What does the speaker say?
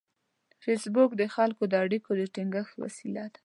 فېسبوک د خلکو د اړیکو د ټینګښت وسیله ده